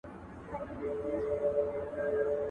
د پاسه مسله راغله، په درست جهان خوره راغله.